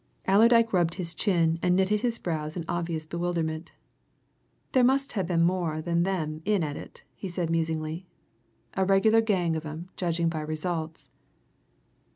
Allerdyke rubbed his chin and knitted his brows in obvious bewilderment. "There must ha' been more than them in at it," he said musingly. "A regular gang of 'em, judging by results."